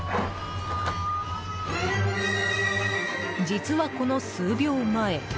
実は、この数秒前。